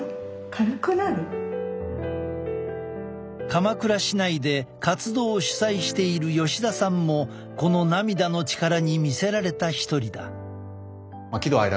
鎌倉市内で活動を主催している吉田さんもこの涙の力に魅せられた一人だ。